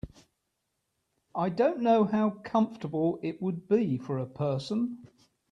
I don’t know how comfortable it would be for a person.